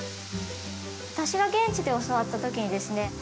私が現地で教わった時にですね